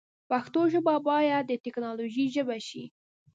پښتو ژبه باید د تکنالوژۍ ژبه شی